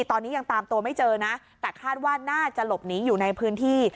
ตอนนี้ยังตามตัวไม่เจอนะแต่คาดว่าน่าจะหลบหนีอยู่ในพื้นที่